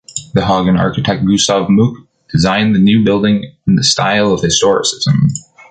The Hagen architect Gustav Mucke designed the new building in the style of historicism.